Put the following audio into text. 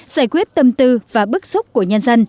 giải quyết tâm tư và bức xúc của nhân dân